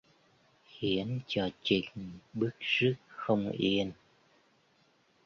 Khiến cho Trinh bứt rứt không yên